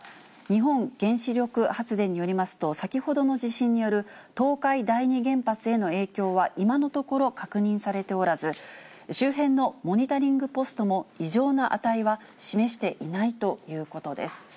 日本原子力発電によりますと、先ほどの地震による東海第二原発への影響は今のところ確認されておらず、周辺のモニタリングポストも異常な値は示していないということです。